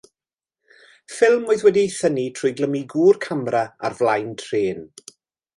Ffilm oedd wedi ei thynnu trwy glymu gŵr camera ar flaen trên.